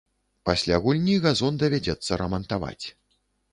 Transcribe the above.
Пасля гульні газон давядзецца рамантаваць.